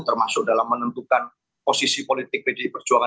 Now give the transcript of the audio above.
termasuk dalam menentukan posisi politik pdi perjuangan